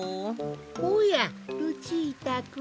おやルチータくん。